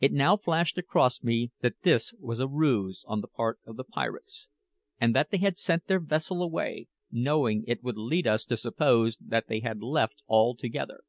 It now flashed across me that this was a ruse on the part of the pirates, and that they had sent their vessel away, knowing that it would lead us to suppose that they had left altogether.